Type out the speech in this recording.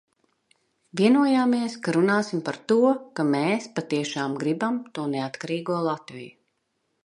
Vienojāmies, ka runāsim par to, ka mēs patiešām gribam to neatkarīgo Latviju.